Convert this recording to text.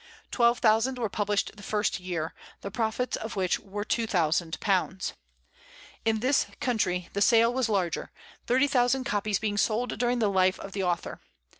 Twelve thousand were published the first year, the profits of which were £2,000. In this country the sale was larger, thirty thousand copies being sold during the life of the author.